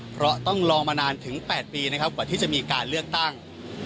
เพราะต้องรอมานานถึง๘ปีนะครับกว่าที่จะมีการเลือกตั้ง